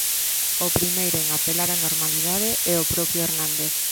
O primeiro en apelar á normalidade é o propio Hernández.